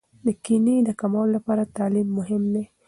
د کینې د کمولو لپاره تعلیم مهم دی.